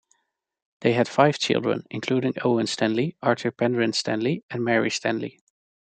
They had five children, including Owen Stanley, Arthur Penrhyn Stanley and Mary Stanley.